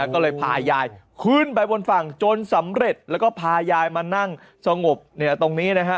ก็เลยพายายขึ้นไปบนฝั่งจนสำเร็จแล้วก็พายายมานั่งสงบตรงนี้นะฮะ